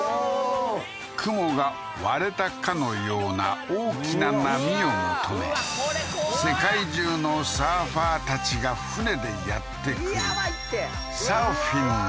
雲が割れたかのような大きな波を求め世界中のサーファーたちが船でやってくるうわき